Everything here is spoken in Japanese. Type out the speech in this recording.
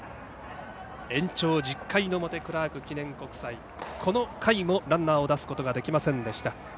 延長１０回の表クラーク記念国際この回もランナーを出すことができませんでした。